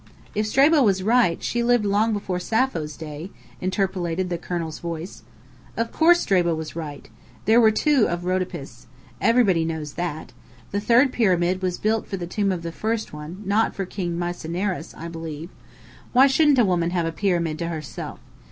"If Strabo was right, she lived long before Sappho's day!" interpolated the colonel's voice. "Of course, Strabo was right. There were two of Rhodopis. Everybody knows that. The Third Pyramid was built for the tomb of the first one, not for King Mycineris, I believe. Why shouldn't a woman have a Pyramid to herself?